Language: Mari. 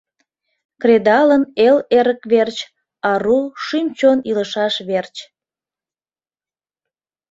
Кредалын эл эрык верч, Ару шӱм-чон илышаш верч.